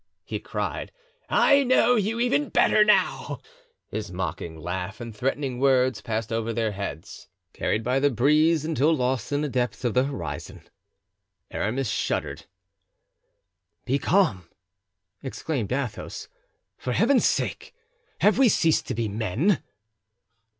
he cried. "I know you even better now." His mocking laugh and threatening words passed over their heads, carried by the breeze, until lost in the depths of the horizon. Aramis shuddered. "Be calm," exclaimed Athos, "for Heaven's sake! have we ceased to be men?"